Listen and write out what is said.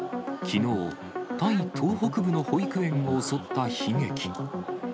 きのう、タイ東北部の保育園を襲った悲劇。